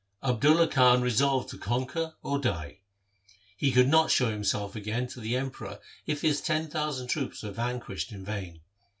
Abdulla Khan resolved to con quer or die. He could not show himself again to the Emperor if his ten thousand troops were vanquished in vain.